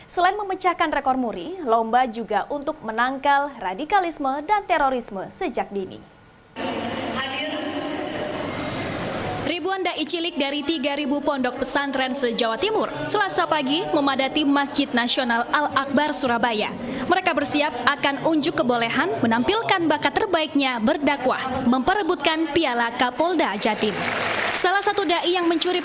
selain memecahkan rekor muri lomba juga untuk menangkal radikalisme dan terorisme sejak dini